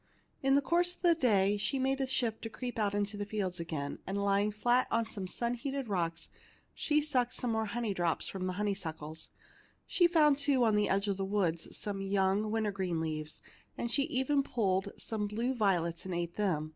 In the course of the day she made shift to 243 THE LITTLE MAID AT THE DOOR creep out into the fields again, and lying flat on the sun heated rocks, she sucked some more honey drops from the honeysuckles. She found, too, on the edge of the woods, some young win tergreen leaves, and she even pulled some blue violets and ate them.